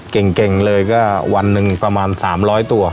เก่งเลยก็วันหนึ่งประมาณ๓๐๐ตัว